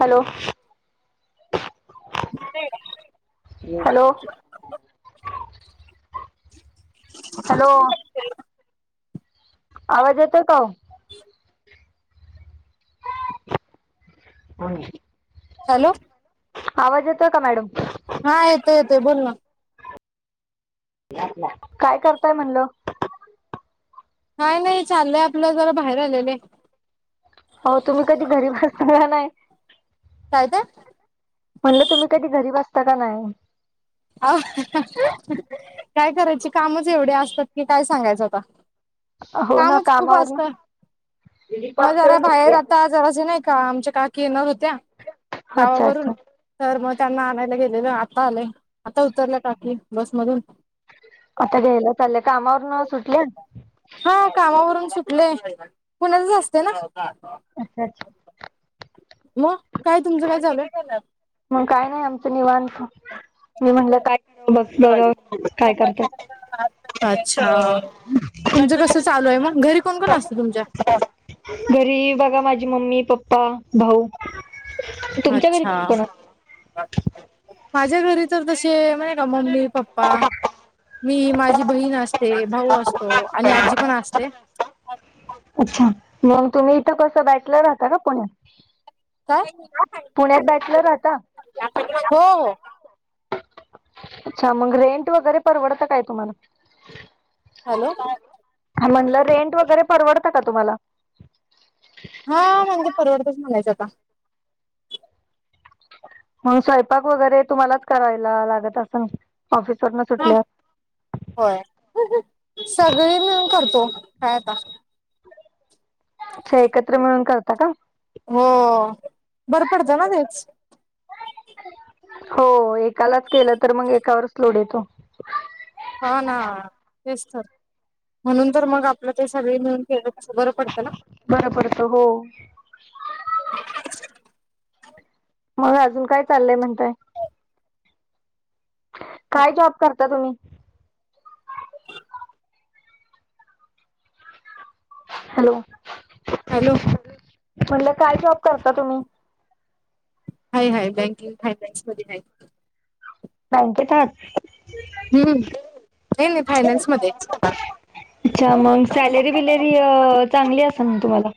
Hello. ते [unintelligible] hello. Hello. आवाज येतोय काय? कोण [unintelligible] हॅलो. आवाज येतोय का मॅडम? हा येतोय येतोय बोल ना. काय करताय म्हणल? काही नाही चाललंय आपलं जरा बाहेर आलेलोय. ओ तुम्ही कधी घरी बसता का नाय? काय ते? म्हणलं तुम्ही कधी घरी बसता का नाय. अ काय करायचे कामच एवढे असतात की काय सांगायचं आता. हो ना कामच खूप कामावरन असता मग घरा बाहेर आता जरास नाही का आमच्या काकी येणार होत्या अच्छा गावावरून अच्छा तर मग त्यांना आणायला गेलेलं आता आले आता उतरल्या काकी बसमधून आता घ्यायला चाललंय कामावर न सुटल्या? हा कामावरून सुटले पुण्यात च असते ना. अच्छा अच्छा [unintelligible] मग काय तुमचं काय चालूये? मग काय नाही आमचं निवांत मी म्हणलं काय बसलय का काय करतात. अच्छा तुमचं कसं चालू आहे मग घरी कोण कोण असत तुमच्या? घरी बघा माझी मम्मी पप्पा भाऊ. तुमच्या घरी अच्छा कोण कोण असतं? माझ्या घरी तर तसे नाय का मम्मी पप्पा प्पा मी माझी बहीण असते भाऊ असतो आणि आजी पण असते. अच्छा मग तुम्ही इथं कस बॅचलर राहता का पुण्यात? का पुण्यात बॅचलर राहता हो हो. अच्छा मग रेंट वगैरे परवडतं काय तुम्हाला? हॅलो. म्हणलं रेंट वगैरे परवडतं का तुम्हाला? हा म्हणजे परवडतच म्हणायचं आता. मग स्वयंपाक वगैरे तुम्हालाच करायला लागत असंल ऑफिस वरून हा सुटल्यावर? होय सगळी मिळून करतो काय आता. अच्छा एकत्र मिळून करता का? हो बरं पडतं ना तेच. हो एकालाच केलं तर मग एकावरच लोड येतो. हो ना तेचतर् म्हणून तर मग आपलं ते सगळे मिळून केलं कसं बरं पडत ना. बरोबरत हो मग अजून काय चाललंय म्हणताय काय जॉब करता तुम्ही हॅलो हॅलो म्हटलं काय जॉब करता तुम्ही हाय हय बँकिंग हाय बँक्समध्येध्ये आहे नाहीकेतच हम् हे नाही फायनान्स मध्ये अच्छा मग सॅलरी बिलरी चांगली असेल ना तुम्हाला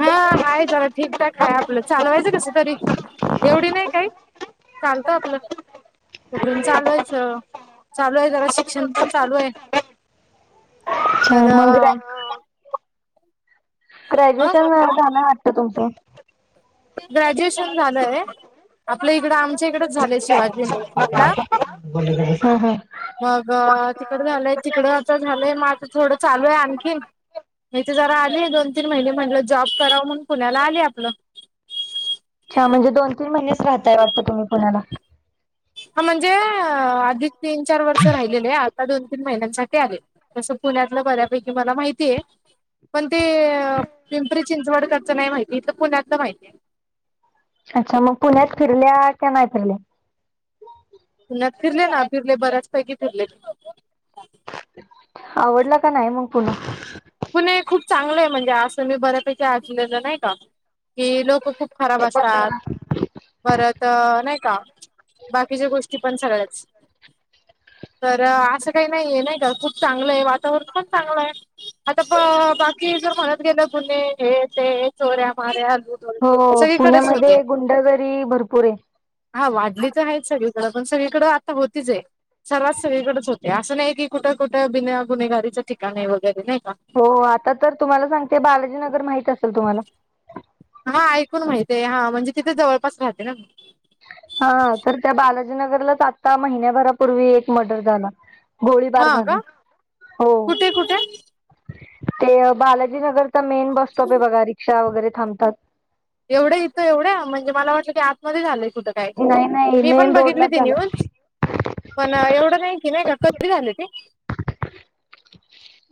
हा आहेा झाला ठीकठाक ह आपलं चालवायचं कस तरी एवढी नाही काही चालत आपलं करून चालूयच चालू आहे जरा शिक्षण पण चालू आहे अच्छा तर मग ग्रॅ ह ग्रॅज्युएशन झाला वाटतं तुमचं ग्रॅज्युएशन झालंय आपलं इकडं आमच्या इकडच झालंय शिवाजी युनिव्हर्सिटी ना हा हा मग तिकड झालंय तिकडं आता झालंय मग आता थोडं चालू आहे आणखी म तेे जरा आले दोन तीन महिने म्हणलं जॉब करावं म्हणून पुण्याला आले आपलं छ म्हणजे दोन तीन महिनेच राहताय वाटत तुम्ही पुण्याला ह म्हणजे आधिक तीन चार वर्ष राहिलेले आत दोन तीन महिन्यांसाठी आले तसं पुण्यातलं बऱ्यापैकी मला माहिती आहे पण ते पिंपरी चिंचवडकरचं नाही माहिती इथलं पुण्यातलं माहिती आहे अच्छा मग पुण्यात फिरल्या का नाही फिरल्या पुण्यात फिरले ना फिरले बऱ्याचपैकी फिरले आवडला का नाही मग पुन्हा पुणे खूप चांगलं आहे म्हणजे असं मी बऱ्यापैकी ऐकलेलं नाही का की लोक खूप खराब असतात परत नाही का बाकीच्या गोष्टी पण सगळ्याच तर असं काही नाही आहे नाही का खूप चांगलं आहे वातावरण पण चांगलं आहे आता बाकी जर म्हणत गेलं गुणेहे हे ते चोऱ्या मऱ्यालून हो पुण्यामध्ये गुंडगिरी भरपूर आहे हा वाढली तर आहेच सगळीकडें पण सगळीकडें आता होतीच आहे सर्वात सगळीकडेच होते असं नाही की कुठं कुठे बिन गुन्हेगारीचं ठिकाण आहे वगैरे नाही का हो आता तर तुम्हाला सांगते बालाजीनगर माहित असेल तुम्हाला हा ऐकून माहितय हा म्हणजे तिथे जवळपास राहते ना म हा तर त्या बालाजीनगरलाच आता महिन्याभरापूर्वी एक मर्डर झाला गोळीबार हा झाणे का हो कुठे कुठे ते बालाजी नगरचा मेन बस स्टॉप आहे बघा रिक्षा वगैरे थांबतात. एवढ्या इथं एवढ्या म्हणजे मला वाटलं की आतमध्ये झालंय कुठं. काय नाही नाही मी पण मेन बघितली रोडलाच ती झाला. न्यूज. पण एवढं नाही की नाही का कधी झालं ते.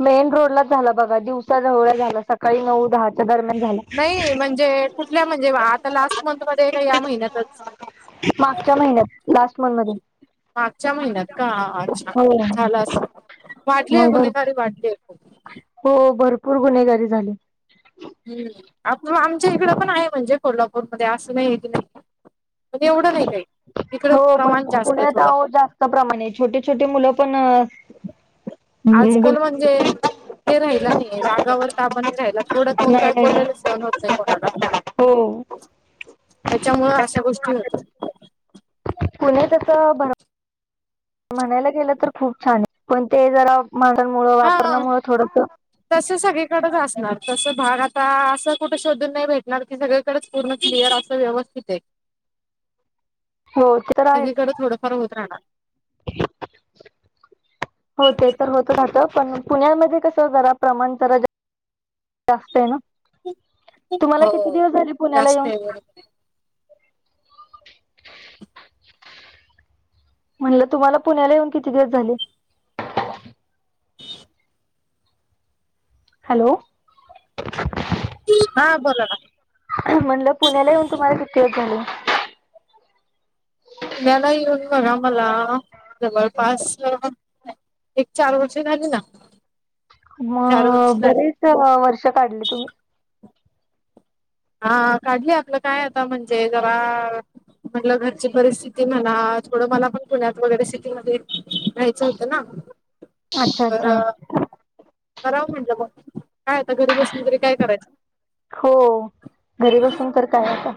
मेन रोडलाच झाला बघा दिवसा ढवळ्या झाला, सकाळी नऊ दहाच्या दरम्यान झाला. नाही म्हणजे कुठल्या म्हणजे आता लास्ट मंथ मध्ये का या महिन्यातच मागच्या महिन्यात लास्ट मंथ मध्ये मागच्या महिन्यात का अच्छा हो झाला अस वाटलीय मग भर गुन्हेगारी वाटलीय हो भरपूर गुन्हेगारी झाली हम् आमच्या इकडं पण आहे म्हणजे कोल्हापूरमध्येध्ये असं नाही की नाही म्हणजे एवढं नाही काही तिकड हो पण प्रमाण जास्त आहे पुण्यात थोडं अहो जास्त प्रमाणे छोटे छोटे मुलं पण आजकाल गुन्हेगारी म्हणजे हे राहिला नाही रागावर ताबा नाय राहिला थोडं कोण काय बोललेला सण होत नाही. कोणाला हो त्याच्यामुळं अशा गोष्टी होतात. पुण्यात असं भर म्हणायला गेलं तर खूप छान आहे पण ते जरा [unintelligible] हा वातावरणामुळे थोडंस तस सगळीकडेच असणार तस भाग आता असं कुठं शोधून नाही भेटणार की सगळे तिकडच पूर्ण क्लिअर अस व्यस्थित आहे. हो ते तर आहेच. थोड फार होत राहणार. [inaudible] होते तर होत राहतं पण पुण्यामध्ये कस जरा प्रमाण जरा जा जास्तय ना? तुम्हाला किती हो दिवस झाले पुण्याला येऊन? [unintelligible] म्हणलं तुम्हाला पुण्याला येऊन किती दिवस झाले? हॅलो हा बोला ना. म्हणलं पुण्याला येऊन तुम्हाला किती दिवस झाले? पुण्याला येऊन बघा मला जवळपास अ एक चार वर्ष झाली ना. चार वर्ष मग झाली बरेच वर्ष काढले तुम्ही. हा काढली आपलं काय आता म्हणजे जरा म्हटलं घरची परिस्थिती म्हणा थोडं मला पण पुण्यात वगैरे सिटीमध्ये राहायचं होतं ना? अच्छा तर अच्छा करावं म्हटलं मग काय आता घरी बसून तरी काय करायचं? हो घरी बसून तर काय आता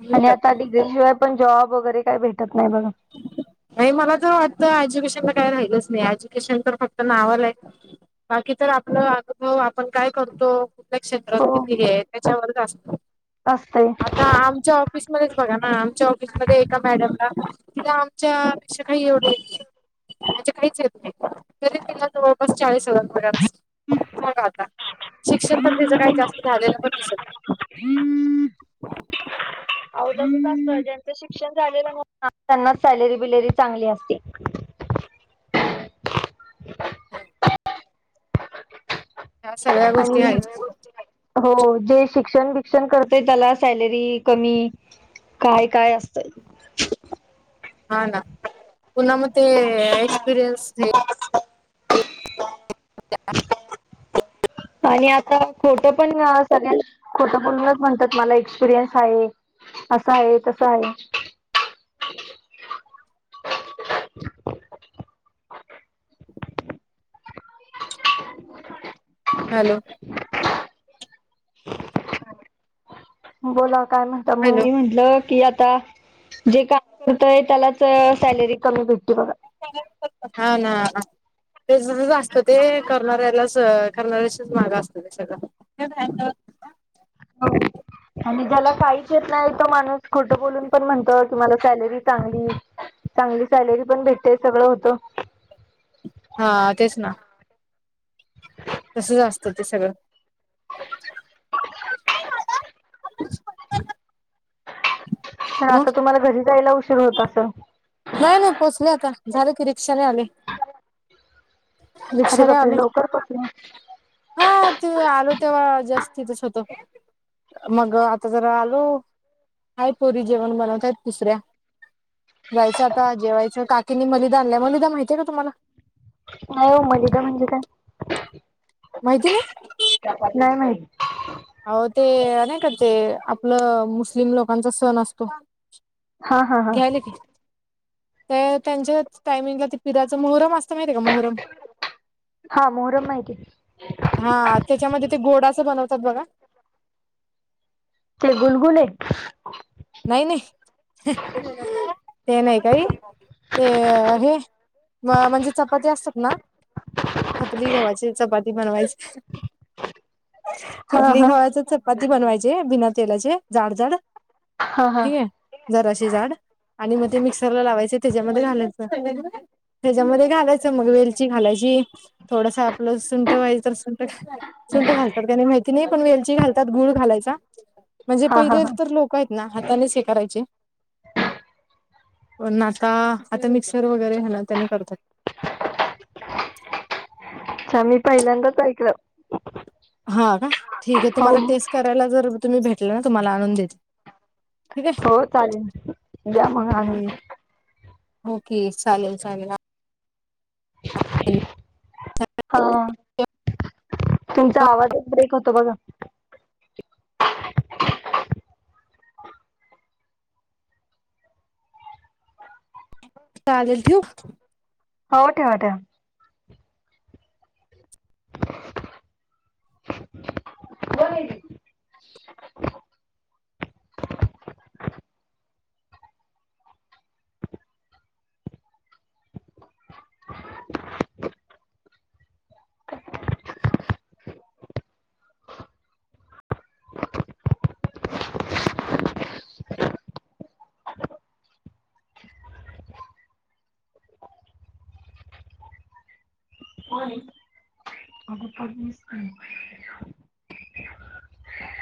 म्हणून आणि तर आता डिग्री शिवाय पण जॉब वगैरे काही भेटत नाही बघा. नाही मला तर वाटत एज्युकेशनला काय राहिलंच नाही एज्युकेशन तर फक्त नावाल आहे. बाकी तर आपलं अनुभव आपण काय करतो? कुठल्या क्षेत्रात हो किती हे त्याच्यावरच असतं, असते आता आमच्या ऑफिस मधेच बघा ना आमच्या ऑफिसमध्ये एका मॅडमला तिला आमच्या पेक्षा काही एवढं येत नाही. म्हणजे काहीच येत नाही तरी तिला जवळपास चाळीस हजार पगार असेल. बघा आता शिक्षण पण तीच काही जास्त झालेलं पण दिसत [inaudible] [inaudible] अव तसंच असतं ज्याचं शिक्षण झालेलं नसतं त्यांना सॅलरी बिलरी चांगली असते. [unintelligible] ह्या सगळ्या गोष्टी आणि आहेत हो, जे शिक्षण बिक्षण करते त्याला सॅलरी कमी काय काय असतंय? हा, ना! पुन्हा मग ते, एक्सपिरियन्स [unintelligible] आणि आता खोटं पण, सगळ्यांशीच खोटं बोलूनच म्हणतात मला एक्सपिरियन्स आहे. असं आहे तसं आहे. हॅलो [inaudible] बोला काय म्हणता मग हॅलो मी म्हंटलं की आता जे काम करतय त्यालाच सॅलरी कमी भेटते बघा. हा ना. ते सुरूच असत ते करणाऱ्यालाच करणाऱ्याशीच माग असत ते सगळं. [unintelligible] होय. आणि ज्याला काहीच येत नाही. तो माणूस खोटं बोलून पण म्हणतो कि, मला सॅलरी चांगली चांगली सॅलरी पण भेटते, सगळं होतं. हा, तेच ना. तसंच असतं, ते सगळं. [unintelligible] [inaudible] पण मग आता तुम्हाला, घरी जायला उशीर होत असंल. नाही-नाही पोहचले आता, झालं की रिक्षाने आले. अरे रिक्षाने बापरे आले. लवकर पोहोचले हां, ते आलो तेव्हा जास्त तिथंच होतं. मग आता जरा आलो. आहे पोरी, जेवण बनवतात दूसऱ्या जायचं आता, जेवायचं. काकीनी मलिदा आणलाय, मलिदा माहितीय का तुम्हाला? नाही हो. मलिदा म्हणजे काय? माहिती नाही? नाही, माहित. आहो ते, नाही का ते? आपलं मुस्लिम लोकांचा सण असतो. हा.. हा.. हा. तर त्यांच्याच टाइमिंगला ते पिराचं मोहरम असतं, माहिती का मोहरम? हा, मोहरम माहिती आहे. हा. त्याच्यामध्ये ते गोडाचं, बनवतात बघा. ते, गुलगुले? नाही-नाही, ते नाही काही. ते, हे. म-म्हणजे चपाती असतात ना? खपली गव्हाची, चपाती बनवायची. हा खपली हा गव्हाचं च पाती बनवायची, बिना तेलाची जाड-जाड हा हा ठीक आहे, जराशी जाड. आणि मग ते मिक्सर ला लावायचं, त्याच्यामध्ये घालायचं त्याच्यामध्ये घालायचं मग, वेलची घालायची. थोडसं आपलं सुंठं पाहिजे तर, सुंठं घाला सुंठं घालतात का नाही, माहिती नाही. पण वेलची घालतात, गुळ घालायचा. म्हणजे हा हा पहिले हा तर, लोकं आहेत ना? हातानेच हे करायचे. पण आता, आता मिक्सर वगैरे आहे ना! त्यानं करतात. अच्छा. मी, पहिल्यांदाच ऐकलं. हा, का? ठीक आहे. हो तुम्हाला टेस्ट करायला जर तुम्ही भेटला ना, तुम्हाला आणून देते. ठीक आहे. हो चालेल द्या मग आणून हम्म्. ओके, चालेल-चालेल आ. [inaudible] हा. तुमचा आवाजच, ब्रेक होतो बघा. चालेल, ठेवू? अहो ठेवा ठेवा [inaudible] व्हय [inaudible] [inaudible] [inaudible] होय. अगं, पडलीस की.